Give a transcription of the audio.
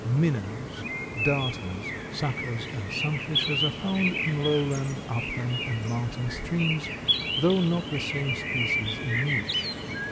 Minnows, darters, suckers and sunfishes are found in lowland, upland and mountain streams, though not the same species in each.